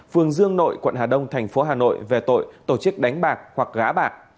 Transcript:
phường dương nội quận hà đông thành phố hà nội về tội tổ chức đánh bạc hoặc gá bạc